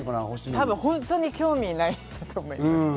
多分本当に興味ないんだと思います。